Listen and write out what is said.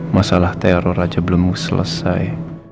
masalah teror aja belum selesai